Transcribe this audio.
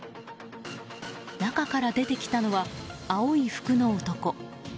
中から出てきたのは青い服の男。